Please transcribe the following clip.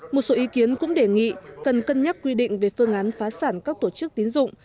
một số ý kiến cũng đề nghị cần cân nhắc quy định về phương án phá sản các tổ chức tín dụng